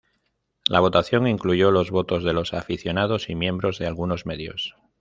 La votación incluyó los votos de los aficionados y miembros de algunos medios.